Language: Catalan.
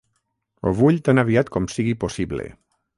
Ho vull tan aviat com sigui possible.